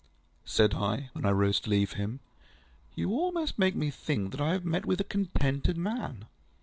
Said I, when I rose to leave him, ŌĆ£You almost make me think that I have met with a contented man.